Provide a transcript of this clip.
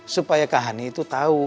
supaya kak hani itu tahu